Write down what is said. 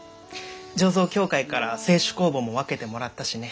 醸造協会から清酒酵母も分けてもらったしね。